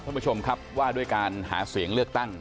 ท่านผู้ชมครับว่าด้วยการหาเสียงเลือกตั้ง